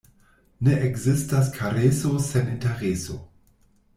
Ne ekzistas kareso sen intereso.